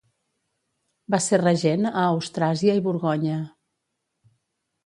Va ser regent a Austràsia i Borgonya.